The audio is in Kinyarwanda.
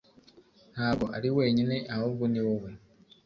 ntabwo ari wenyine, ahubwo ni wowe